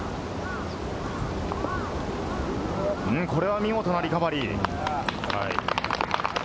これは見事なリカバリー。